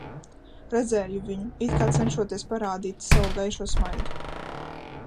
Redzēju viņu, it kā cenšoties parādīt savu gaišo smaidu.